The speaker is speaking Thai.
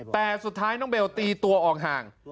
แต่สุดท้ายน้องเบลตีตัวออกห่าง